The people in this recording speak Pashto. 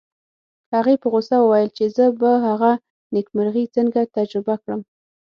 هغې په غوسه وویل چې زه به هغه نېکمرغي څنګه تجربه کړم